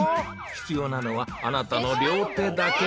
必要なのはあなたの両手だけ！